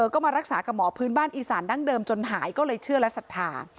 ก็มารักษากับหมอพื้นบ้านอีสานดั้งเดิมจนหายก็เลยเชื่อและศรัทธา